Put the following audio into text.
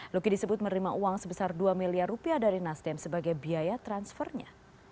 luki disebut menerima uang sebesar dua miliar rupiah dari nasdem sebagai biaya transfernya